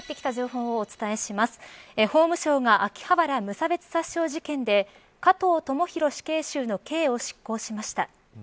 法務省が秋葉原無差別殺傷事件で加藤智大死刑囚の刑を執行しました。